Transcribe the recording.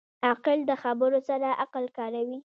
عاقل د خبرو سره عقل کاروي.